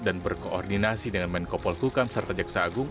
dan berkoordinasi dengan menkopol kukam serta jaksa agung